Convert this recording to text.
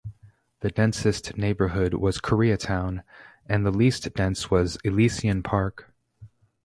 The densest neighborhood was Koreatown, and the least dense was Elysian Park.